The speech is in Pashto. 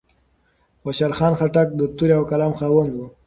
خوشال خان خټک د تورې او قلم خاوند و.